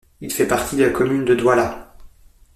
Il fait partie de la commune de Douala.